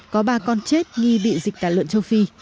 có ba con chết nghi bị dịch tả lợn châu phi